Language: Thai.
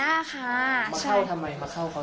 มาเข้าทำไมมาเข้าเขา